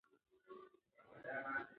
اقلیمي بدلون د ناروغۍ د خپرېدو فکتور دی.